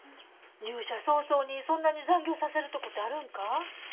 入社早々にそんなに残業させるとこてあるんか？